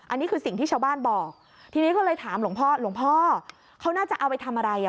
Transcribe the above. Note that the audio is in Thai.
อันนี้คือสิ่งที่ชาวบ้านบอกทีนี้ก็เลยถามหลวงพ่อหลวงพ่อเขาน่าจะเอาไปทำอะไรอ่ะ